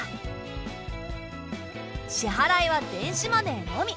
支払いは電子マネーのみ。